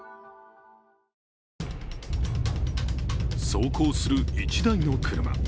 走行する１台の車。